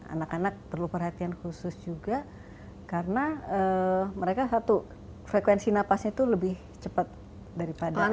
anak anak perlu perhatian khusus juga karena mereka satu frekuensi napasnya itu lebih cepat daripada